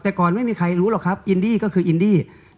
แต่ก่อนไม่มีใครรู้หรอกครับอินดี้ก็คืออินดี้